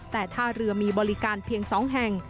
แต่ท่าเรือมีบริการเพียง๒แห่ง